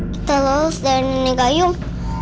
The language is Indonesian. kita lolos dari nenek gayung